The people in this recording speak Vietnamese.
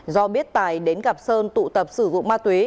do biết tài đến gặp sơn tụ tập sử dụng ma túy